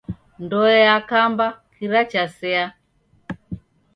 Ndoe yakamba kira chasea.